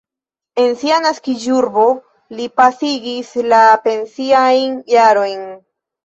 En sia naskiĝurbo li pasigis la pensiajn jarojn.